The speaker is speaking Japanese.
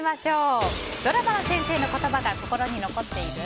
ドラマの先生の言葉が心に残っている？